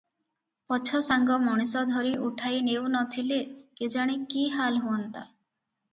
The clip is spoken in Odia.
ପଛ ସାଙ୍ଗ ମଣିଷ ଧରି ଉଠାଇ ନେଉ ନ ଥିଲେ କେଜାଣି କି ହାଲ ହୁଅନ୍ତା!